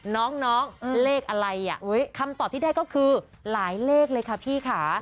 น้องเลขอะไรคำตอบที่ได้ก็คือหลายเลขเลยค่ะพี่ค่ะ